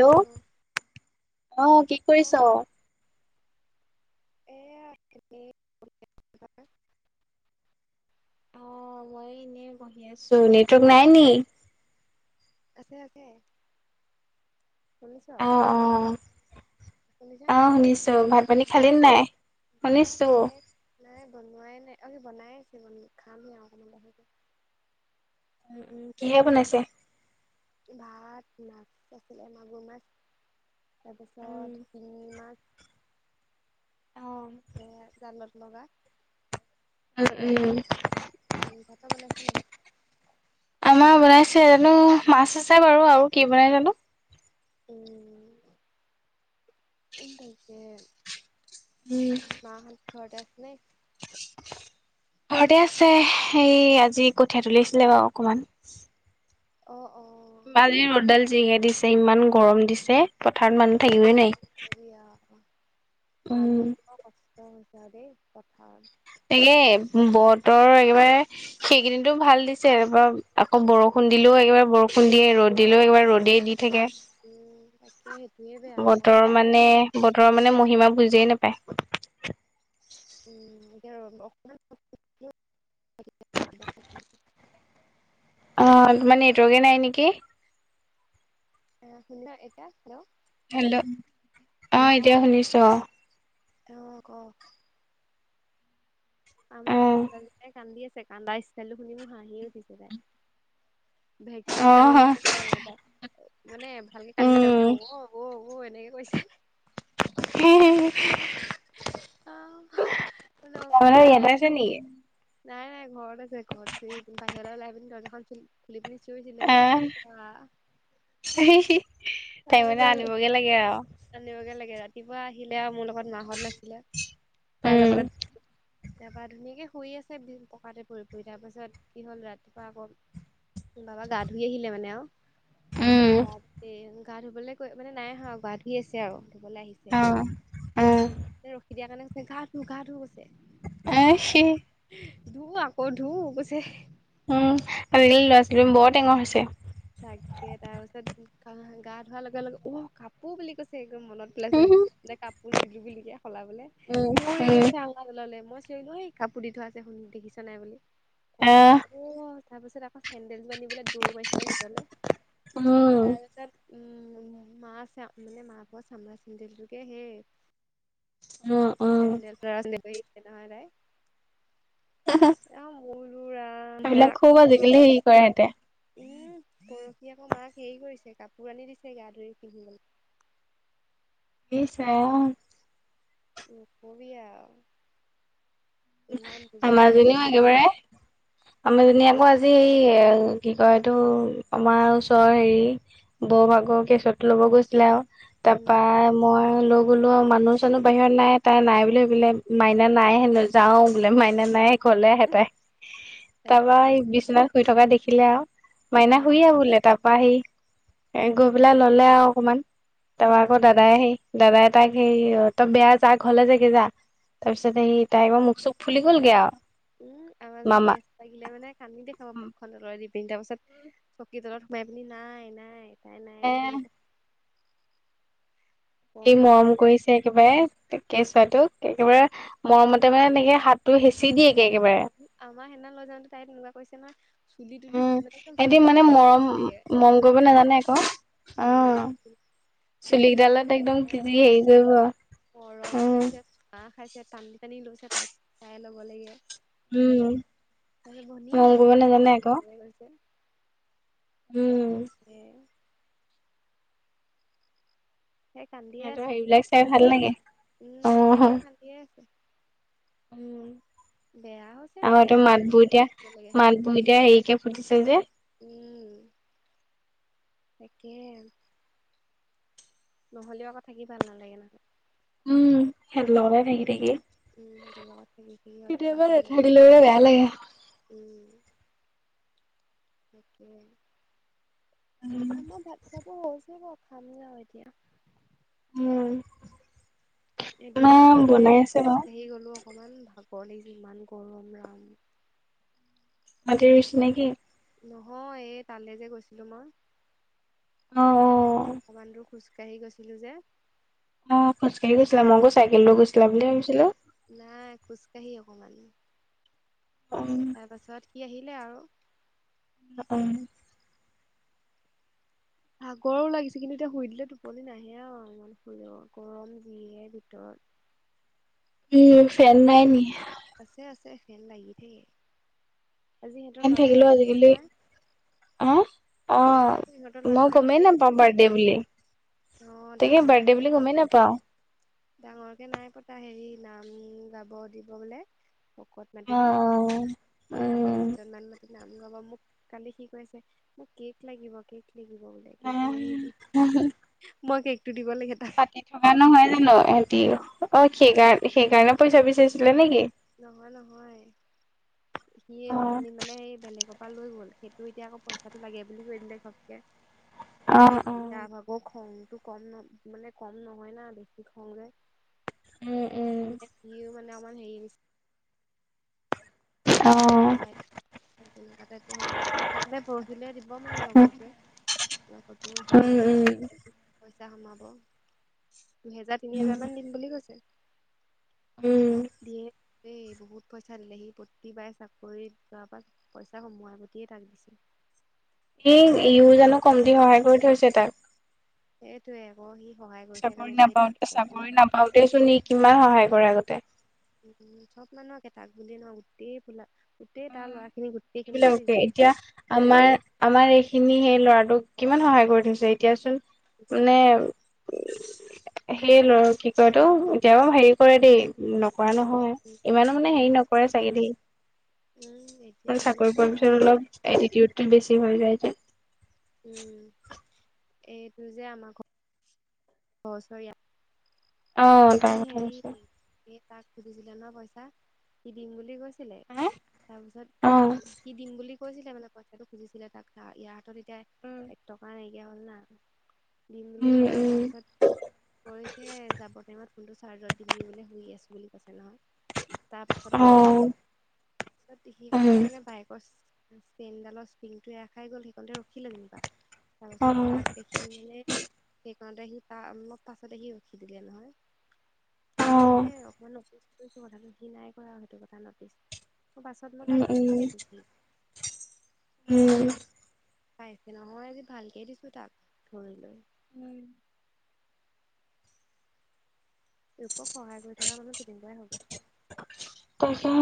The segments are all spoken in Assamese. হেল্ল' অ', কি কৰিছ? অ' এয়া এনে। এনে বহি আছো নেটৱৰ্ক নাই নি। আছে আছে। শুনিছ অ অ', শুনিছ অ নাই শুনিছো ভাত পানী খালি নাই। ভাত শুনিছো মানে নাই বনোৱাই নাই অ', বনাই আছে তাৰমানে খামহে আৰু অকমান পাছতে উম উম কিহে বনাইছে। ভাত মাছ আছিলে মাগুৰ মাছ। উম তাৰপিছত শিঙি মাছ উম সেয়া জা লত লগা ৰিং পাপৰ বনাইছে নাই আমাৰ বনাইছে জানো মাছ আছে বাৰু আৰু কি বনাই জানো উম উম তাকে উম মা হত ঘৰতে আছে নে? ঘৰতে আছে সেই আজি কঠিয়া তুলিছিলে বাউ অকমান। অ' অ। আজি ৰ'দডাল যিহে দিছে ইমান গৰম দিছে পথাৰত মানুহ থাকিবই নোৱাৰি। সেয়া আক উম মানুহবোৰৰ কষ্ট হৈছে আৰু দেই পথাৰত। তাকে বতৰ একেবাৰে। সেইকেইদিনটো ভাল দিছে তা পা আকৌ বৰষুণ দিলেও একেবাৰে বৰষুণ দিয়ে ৰ'দ দিলেও একবাৰে ৰ'দে দি থাকে। উম', তাকে সেইটোয়ে বেয়া আকৌ বতৰৰ এতিয়া মানে বতৰৰ মানে মহিমা বুজিয়েই নেপায়। উম এতিয়া ৰ অকমান অ' তোমাৰ নেটৱৰ্কে নাই নিকি। অ শুন না এটা হেল্ল'। হেল্ল' অ এতিয়া শুনিছো অ', অ', ক অ আমাক খুড়ী ছোৱালীজনীয়ে কান্দি আছে কান্দা ষ্টাইলটো শুনি মোৰ হাঁহি উঠিছে তাই। ভেকচন অ কান্দন অ দি আছে মানে তাই মানে ভালকে কান্দিলে তাৰ উম পিছত উঔ উঔ এনেকে কৰিছে [unintelligible] অ তাৰমানে নকবি ইয়াতে আউ আছে নেকি নাই নাই ঘৰত আছে ঘৰত চিঞৰি আছে বাহিৰলে ওলাই পিনি দৰ্জা খন খুল খুলি খুলি চিঞৰিছিলে অ আহ বৰ্ততা [unintelligible] তাই মানে জানো আনিবগে লাগে আৰু আনিবগে লাগে ৰাতিপুৱা আহিলে মোৰ লগত লগত মাহত নাছিলে তাইৰ উম লগতে তাপা ধুনীয়াকে শুই আছে পকাতে পৰি পৰি তাৰ পাছত কি হ'ল ৰাতিপুৱা আক বাবা গা ধুই আহিলে মানে আউ উম তাৰপিছত গাতে গা ধুবলে কৈ মানে নাই আহি আৰু গা ধুই আছে আউ ধুবলে আহিছ অ উম তে ৰখি দিয়া কাৰণে কৈছে গা ধু গা ধু কৈছে এ তা সি পা ধু আকৌ ধু কৈছে উম, আজিকালি ল'ৰা -ছোৱালী বৰ টেঙৰ হৈছে। তাকে তাৰপিছত গা গা ধোৱাৰ লগে লগে উহ কাপোৰ বুলি কৈছে একদম মনত। সলাইছে। উম এতিয়া কাপোন দিলো বুলি হে সলাবলে, উম দৌৰি উম গৈছে। ল'লে। মই চিঞৰিলো কাপোৰ দি থোৱা আছে শুনি দেখিছা নাই বুলি। আহ তাৰপিছত- অহ, তাৰপিছত আকৌ চেন্দেল যোৰ আনিবলে দৌৰ মাৰিছিলে ভিতৰলে। উম তাৰপিছত- উম, মা চা মানে মাকৰ চাম্ৰাৰ চেন্দেলটোকেই সেই- উম উম চেণ্ডেল চিনাকি হৈছে নহয় তাইৰ। হা, হা। এ সৰুৰা [unintelligible] সেইবিলাক খুব আজিকালি হেৰি কৰে সিহঁতে। উম, পৰহি আকৌ মাক হেৰি কৰিছে কাপোৰ আনি দিছে গা ধুই পিন্ধিবলৈ। ইচ ৰাম! উম‌, নকবি আৰ। পোৱা হ'ল আমাৰজনীও একেবাৰে- আমাৰ জনী আকৌ আজি এই কি কয় এইটো আমাৰ ওচৰৰ হেৰি- বৌ ভাগৰ কেছুৱাতো ল'ব গৈছিলে আৰু উম তাৰপা- মই লৈ গ'লো আৰু মানুহ- চানুহ বাহিৰত নাই, তাই নাই বুলি ভাবিলে মাইনা নাই হেনো। যাওঁ বোলে মাইনা নাই ঘৰলে উহ আহতে। তাৰপৰা তাকে এই বিচনাত শুই থকা দেখিলে আৰু। মাইনা শুই আহ বোলে তাৰপৰা সি গৈ পেলাই ল'লে আৰু অকমান। তাৰপা আহ আকৌ দাদাই আহি- দাদাই তাইক হেৰি তই বেয়া যা ঘৰলে যাগে যা, তাৰপিছত সেই- তাইৰ আকৌ মূখ- চূক ফুলি গ'লগে আৰু। উম, আমাৰ জনি মামা কেচু। লাগিলে মানে কান্দি দেখাবা মুখখন উলৰাই দি পিনি তাৰপাছত চকীৰ তলত সোমাই পিনি নাই নাই। তাই এ নাই বুলি ক'ব। সি মৰম কৰিছে কম একেবাৰে- কেঁচুৱাটোক একেবাৰে মৰমতে মানে তেনেকে হাতটো হেঁচি দিয়ে গে একেবাৰে। আমাৰ সেইদিনা লৈ যাওঁতে তাইক তেনেকুৱা কৰিছে নহয়। চুলি -তুলি উম মানে সিহঁতি চুলি মানে চিঙি মৰম গৈছেগে। মৰম কৰিব নাজানে আকৌ অ উম। কেইডাল চুলিকেইডালত একদম থুচেছে কিজে হেৰি কৰিব! মৰম উম কৰিছে, চোমা খাইছে, টানি টানি লৈছে তাইক, তাই ল'ব লাগে। উম তাৰপিছত ভনী মৰম কৰিব ভনী নাজানে ইমান আকৌ জোৰে গৈছে। উম তাকে। তাই কান্দিয়ে সিহঁতৰ আছে এতিয়াও সেইবিলাক চাই ভাল লাগে অ উম, এতিয়াও কান্দিয়ে আছে। বেয়া হৈছে উম। তাই আমাৰ তো মাতবোৰ এতিয়া, কৰিব লাগে মাতবোৰ এতিয়া হেৰিকে ফুটিছে যে। উম, তাকে। নহলেও আকৌ থাকি ভাল নালাগে নহয়। উম, সিহঁতৰ লগতে থাকি থাকি। উম, সিহঁতৰ লগত খেলি খেলি কেতিয়াবা অভ্যাস হৈ নাথাকিলেও মানে বেয়া লাগে। গৈছে, উম। তাকে। আমাৰ ভাত খাব হৈছে বাৰু খামে আৰু এতিয়া। উম এ মা দিনতোহে বনাই আছে বাৰু খোজকাাঢ়ি গ'লো অকমান ভাগৰ লাগিছে, ইমান গৰম ৰাম! মাটি ৰুইছেনে কি? নহয় এই তালৈ যে গৈছিলো মই, অ অকমান দূৰ খোজ কাঢ়ি গৈছিলো যে। অ', খোজকাঢ়ি গৈছিলা মই আকৌ চাইকেল লৈ গৈছিলা বুলি হে ভাবিছিলো। নাই খোজকাঢ়ি অকমান। উম। তাৰ পাছত সি আহিলে আৰু। অ'। ভাগৰো লাগিছে কিন্তু এতিয়া শুই দিলে টোপলি নাহে আৰু ইমান শুলেও গৰম যিহে ভিতৰত। উম, ফেন নাই নি? আছে আছে ফেন লাগি থাকে, আজি সিহঁতৰ ফেন ল'ৰাটো থাকিলেও বাৰ্থডে আজিকালি নহয়। অ'। অ আজি তো ইহঁতৰ ল'ৰাটো মই গমেই বাৰ্থডে নাপাওঁ আছে। বাৰ্থডে বুলি অ', তাকে বাৰ্থডে ডাঙৰকে বুলি গমেই [unintelligible] নাপাওঁ ডাঙৰকে নাই পতা হেৰি নাম গাব দিব বোলে ভকত অ মাতিব, ভকত অ সাতজন মান মাতি নাম গাব মোক কালি সি কৈ আছে। মোক কেক লাগিব কেক লাগিব বোলে কেক লৈ আহিবি, উম মই কেকটো দিব লাগে তাক। পাতি থকা নহয় জানো সিহতি, অ', সেইকাৰ সেইকাৰণে পইচা বিচাৰিছিলে নেকি? নহয় নহয়। [inaudible] সি অথনি মানে সেই বেলেগৰ পৰা লৈ গ'ল সেইটো এতিয়া আকৌ পইচাটো লাগে বুলি কৈ দিলে ঘপকে। [inaudible] আৰু অ ই-ইয়াৰ ভাগৰ খংটো ক'ম ন মানে ক'ম নহয় না বেছি খং যে। মানে ইও মানে অকমান হেৰী নিচিনা [unintelligible] কাইলৈ পৰহিলৈ দিব মানে লগৰটোৱে। ল'গৰটোৰ উম সেই পইচা সোমাব। দুহেজাৰ তিনি হেজাৰ মান দিম বুলি কৈছে, উম দিয়ে দেই বহুত পইচা দিলে সি প প্ৰতি বাৰে চাকৰিত যোৱা পা পইচা সোমোৱা প্ৰতিয়ে তাক দিছিল। সেই ইউ জানো ক'মতি সহায় কৰি থৈছে তাক। সেইটোয়ে আকৌ সি সহায় কৰিছে কাৰণে এতিয়া সি তাক চাইছে ন'। পাওঁতে চোন ই কিমান সহায় কৰে আগতে। উম, চব মানুহকে তাক বুলি নহয় গোটেই ফোলা গোটেই তাৰ ল'ৰাখিনি গোটেইখিনিকে এইবিলাককে দিছে। এতিয়া আমাৰ, আমাৰ এইখিনি সেই ল'ৰাটোক কিমান সহায় কৰি থৈছে এতিয়াচোন মানে উম সেই ল'ৰা কি কয় এইটো এতিয়া বাৰু হেৰি কৰে দেই নকৰা নহয়। উম ইমানো মানে হেৰি উম নকৰে চাগে দেই। উম, এ [unintelligible] চাকৰি পোৱাৰ পিছত অলপ, এটিটিউড টো বেছি হৈ যায় যে। উম, এইটো যে আমাৰ ঘ [unintelligible] অ সি তাৰ কথা হেৰি, কৈছো। এই তাক সুধিছিলা নহয় পইচা, সি দিম বুলি কৈছি ছিলে, তাৰ পিছত অ উ, সি দিম বুলি কৈছিলে মানে পইচাটো খুজিছিলে তাক ইয়াৰ হাতত তিয়া, এক টকা নাইকিয়া হ'ল না। দিম বুলি উম ক'লে উম তাৰপিছত কৰিছে যাব টাইমত ফোনটো চাৰ্জত দি পিনি বোলে শুই আছো বুলি কৈছে নহয়। তাৰপাছত অ অলপ পাছত তাৰপিছত পেহী উম ঘৰতে মানে বাইকৰ চাইন ডালৰ ইচপ্ৰিংটো এৰ খাই গল সেইকণতে ৰখিলো যেনিবা। অ তাৰপাছত তাক দেখি মানে সেইকণতে সি তা মই পাছত আহি ৰখিলাগে নহয়। অ মই এনে অকণমান নটিচ কৰিছো কথাটো সি নাই কৰা সেইটো কথা নটিচ। মই পাছত মই উম তাক দিম উম, এইটো চেইন উম। পাইছে নহয় আজি ভালকে দিছো তাক ধৰি লৈ। উম। লোকক সহায় কৰি থকা মানুহ তেনেকুৱাই হ'ব তাকেহে।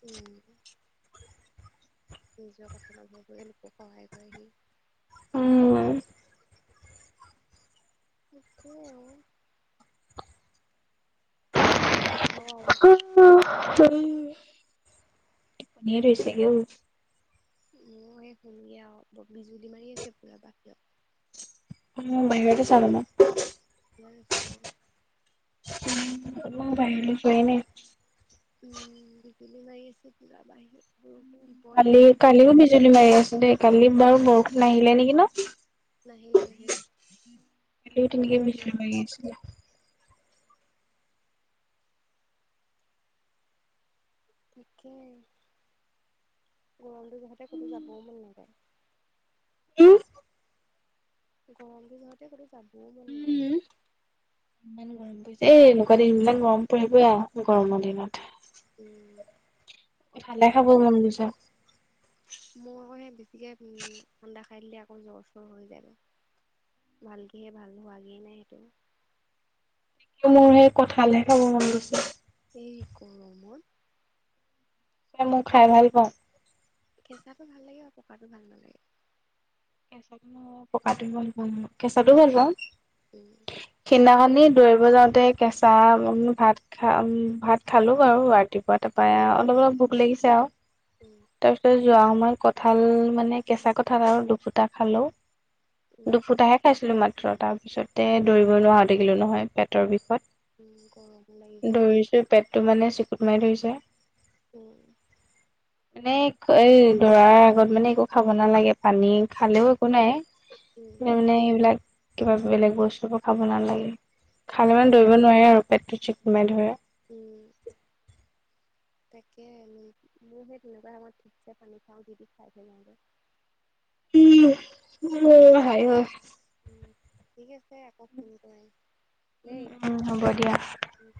উম। নিজৰ কথা নাভাবাকে লোকক সহায় কৰে সি। উম। একেই অ। বাকী ক? টোপনিয়ে ধৰিছেগে ঔ মইও এ শুমগে আও বিজুলী মাৰি আছে পোৰা বাহিৰত। উম বাহিৰত আছা মানে? বাহিৰত আছো অঁ। মই বাহিৰলৈ যোৱাই নাই। উম বিজুলি মাৰি আছে পোৰা বাহিৰত বৰষুণ দিব কালি নেকি ৰাতি। কালিও বিজুলী মাৰি আছে দেই কালি বাৰু বৰষুণ নাহিলে নেকি ন? নাহিলে নাহিলে কালিও তেনেকে পুৰা ৰ'দ। বিজুলি মাৰি আছিলে। তাকে। গৰমটো যহতে ক'তো যাবও মন নাযায়। হুম? গৰমটো যহতে ক'তো যাবও মন নাযায়। উম ইমান গৰম পৰিছে। এ এনেকুৱা দিন ইমান গৰম পৰিবই আৰু গৰমৰ দিনত। উম। কঁঠাল হে তাকে খাব মন গৈছে। মোৰ আকৌ সেই বেছিকে ঠাণ্ডা খাই দিলে আকৌ জ্বৰ চৰ হৈ যায়গৈ। ভালকে ভাল হোৱাগে নাই সেইটো। মোৰ সেই কঁঠালহে খাব মন গৈছে। এই গৰমত? অঁ মই খাই ভাল পাওঁ। কেঁচাটো ভাল লাগে বাৰু পকাটো ভাল নালাগে। কেঁচাটো, পকাটো ভাল পাওঁ, কেঁচাটো ভাল পাওঁ। উম। সিদিনাখনি দৌৰিব যাওঁতে কেঁচা ভাত খা ভাত খালো বাৰু ৰাতিপুৱা তাৰপৰা অলপ অলপ ভোক লাগিছে আৰু। উম। তাৰপিছত যোৱা সময়ত মই কঁঠাল মানে কেঁচা কঁঠাল আৰু দুফুটা খালো। উম দুফুটাহে খাইছিলো মাত্ৰ তাৰপিছতে দৌৰিব নোৱাৰা থাকিলো নহয় পেটৰ বিষত। উম গৰমো লাগি গৈছে। পেটতটো মানে চিকুত মাৰি ধৰিছে। উম। মানে এই দৰাৰ আগত মানে একো খাব নালাগে পানী খালেও একো নাই উম মানে মানে সেইবিলাক কিবা বেলেগ বস্তুবোৰ খাব নালাগে। খালে উম মানে দৌৰিব নোৱাৰে আৰু পেটটো চেপি মাৰি ধৰে। উ তাকে মোৰ মোৰ সেই তেনেকুৱা সময়ত ঠিকছে পানী খাওঁ যি তি খাই পেলাও দে। উম হয় হায়ৈ। উম ঠিক আছে আকৌ ফোন কৰিম। উ উম হ'ব দিয়া। উম।